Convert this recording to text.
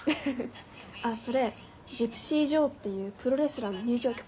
あっそれジプシー・ジョーっていうプロレスラーの入場曲。